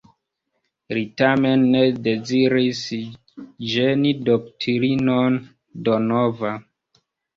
Li tamen ne deziris ĝeni doktorinon Donova.